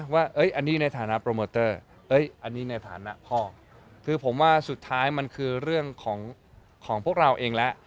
ว่าอันนี้ในฐานะโปรโมเตอร์อันนี้ในฐานะพ่อคือผมว่าสุดท้ายมันคือเรื่องของพวกเราเองแล้ว